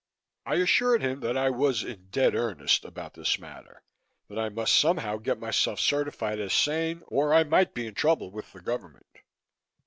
I assured him that I was in dead earnest about this matter, that I must somehow get myself certified as sane or I might be in trouble with the government.